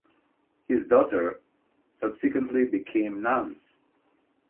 His daughters subsequently became nuns.